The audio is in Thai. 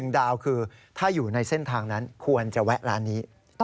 ดาวคือถ้าอยู่ในเส้นทางนั้นควรจะแวะร้านนี้